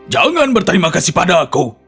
jangan berterima kasih padaku